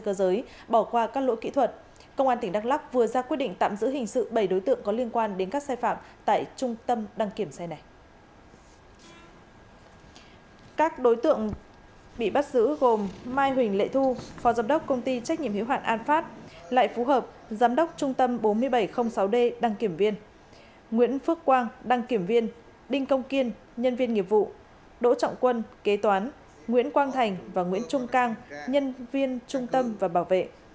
các đối tượng bị bắt giữ gồm mai huỳnh lệ thu phó giám đốc công ty trách nhiệm hiếu hoạn an phát lại phú hợp giám đốc trung tâm bốn nghìn bảy trăm linh sáu d đăng kiểm viên nguyễn phước quang đăng kiểm viên đinh công kiên nhân viên nghiệp vụ đỗ trọng quân kế toán nguyễn quang thành và nguyễn trung cang nhân viên trung tâm đăng kiểm